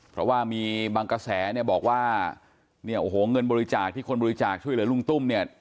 เพราะว่ามีบางกระแสเนี่ยบอกว่าเนี่ยโอ้โหเงินบริจาคที่คนบริจาคช่วยเหลือลุงตุ้มเนี่ย